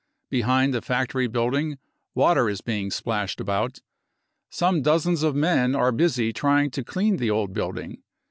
... Behind the factory building water is being splashed about. Some dozens of men are busy trying to clean the old building.